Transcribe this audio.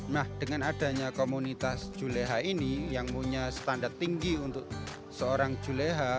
nah dengan adanya komunitas juleha ini yang punya standar tinggi untuk seorang juleha